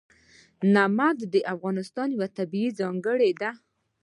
نمک د افغانستان یوه طبیعي ځانګړتیا ده.